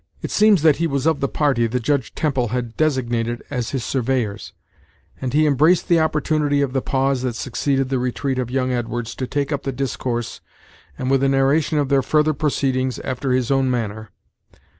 It seems that he was of the party that Judge Temple had designated as his surveyors; and he embraced the opportunity of the pause that succeeded the retreat of young Edwards to take up the discourse, and with a narration of their further proceedings, after his own manner.